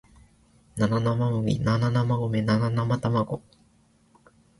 七生麦七生米七生卵